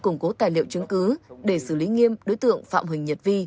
củng cố tài liệu chứng cứ để xử lý nghiêm đối tượng phạm huỳnh nhật vi